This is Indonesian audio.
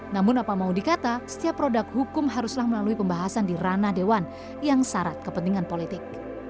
namun apa mau dikata setiap produk hukum haruslah melalui pembahasan di ranah dewan yang syarat kepentingan politik